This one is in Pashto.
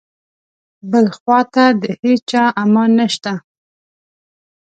بل خواته د هیچا امان نشته.